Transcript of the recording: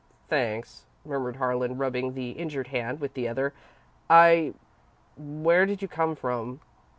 "Thanks," murmured Harlan, rubbing the injured hand with the other. "I where did you come from?"